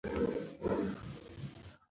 ماشومان په ګډه غره ته ختل خوښوي.